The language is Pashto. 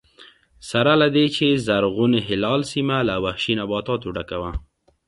سره له دې چې زرغون هلال سیمه له وحشي نباتاتو ډکه وه